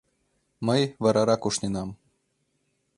— Мый варарак ушненам.